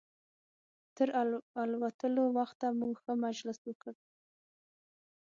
تر الوتلو وخته مو ښه مجلس وکړ.